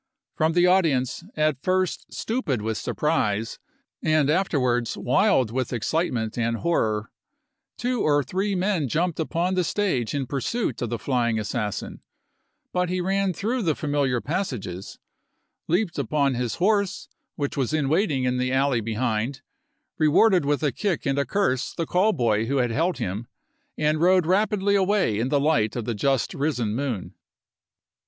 From the chap.xiv. audience, at first stupid with surprise, and after A.pi.u,i86i wards wild with excitement and horror, two or three men jumped upon the stage in pursuit of the flying assassin; but he ran through the familiar passages, leaped upon his horse, which was in waiting in the alley behind, rewarded with a kick and a curse the call boy who had held him, and rode rapidly away in the light of the just risen moon.